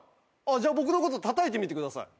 じゃあ僕のことたたいてみてください。